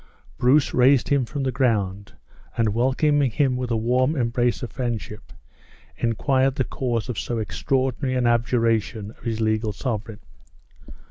Bruce raised him from the ground, and welcoming him with the warm embrace of friendship, inquired the cause of so extraordinary an abjuration of his legal sovereign.